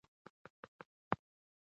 تل په بریا باور ولرئ.